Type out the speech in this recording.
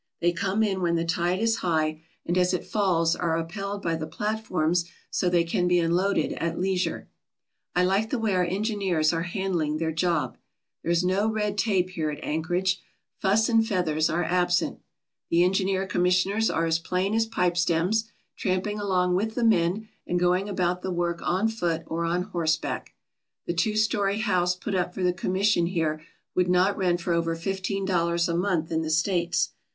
They come in when the tide is high, and as it falls are upheld by the platforms so they can be unloaded at leisure. I like the way our engineers are handling their job. There is no red tape here at Anchorage; "fuss and feath 275 ALASKA OUR NORTHERN WONDERLAND ers" are absent. The engineer commissioners are as plain as pipe stems, tramping along with the men and going about the work on foot or on horseback. The two story house put up for the Commission here would not rent for over fifteen dollars a month in the States.